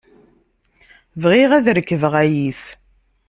Bɣiɣ ad rekbeɣ ayis.